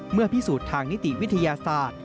พิสูจน์ทางนิติวิทยาศาสตร์